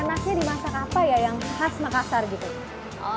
enaknya dimasak apa ya yang khas makassar gitu